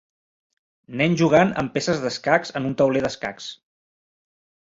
Nen jugant amb peces d'escacs en un tauler d'escacs.